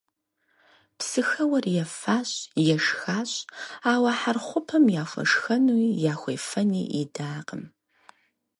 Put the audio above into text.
Псыхэуэр ефащ, ешхащ, ауэ Хьэрхъупым яхуэшхэнуи яхуефэни идакъым.